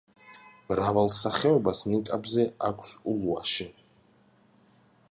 მრავალ სახეობას ნიკაპზე აქვს ულვაში.